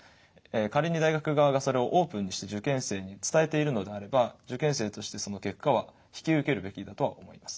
仮に大学側がそれをオープンにして受験生に伝えているのであれば受験生としてその結果は引き受けるべきだとは思います。